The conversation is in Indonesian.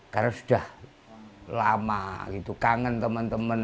karena sudah lama kangen temen temen